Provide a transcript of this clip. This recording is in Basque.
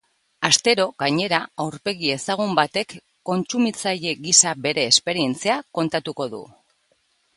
Astero, gainera, aurpegi ezagun batek kontsumitzaile gisa bere esperientzia kontatuko du.